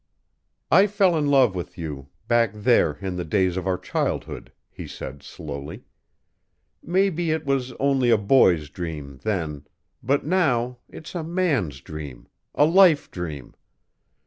"I fell in love with you back there in the days of our childhood," he said slowly. "Maybe it was only a boy's dream then but now it's a man's dream a life dream.